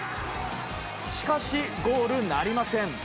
しかし、ゴールなりません。